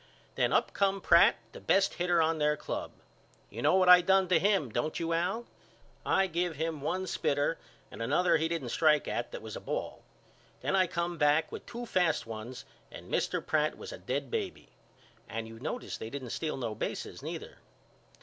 Then up come Pratt the best hitter on their club. You know what I done to him don't you Al? I give him one spitter and another he didn't strike at that was a ball. Then I come back with two fast ones and Mister Pratt was a dead baby. And you notice they didn't steal no bases neither.